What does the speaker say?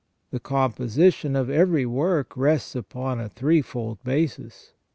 The composition of every work rests upon a threefold basis.